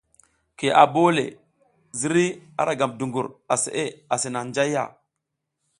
Kiya a bole le ziriy a ra gam dungur a seʼe asi nang njayya.